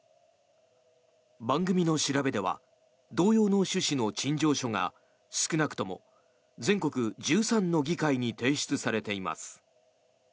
番組の調べでは同様の趣旨の陳情書が少なくとも全国１３の議会に提出されています。